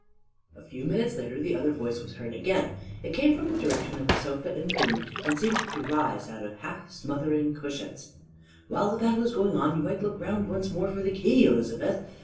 A few minutes later the other voice was heard again: it came from the direction of a sofa in the room, and seemed to rise out of half smothering cushions: "While the battle is going on, you might look around once more for the key, Elizabeth.